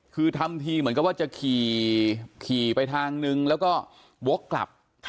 คือทำทีเหมือนกับว่าจะขี่ไปทางนึงแล้วก็วกกลับ